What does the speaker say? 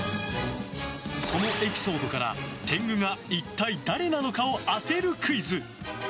そのエピソードから、天狗が一体誰なのかを当てるクイズ。